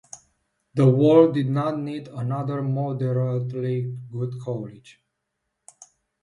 The world did not need another moderately good college.